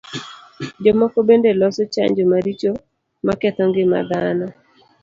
Jomoko bende loso chanjo maricho maketho ngima dhano.